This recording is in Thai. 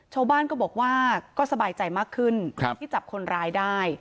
ชาวบ้านก็บอกว่าก็สบายใจมากขึ้นที่จับคนร้ายได้